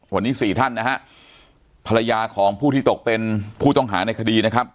วันนี้สี่ท่านนะฮะภรรยาของผู้ที่ตกเป็นผู้ต้องหาในคดีนะครับ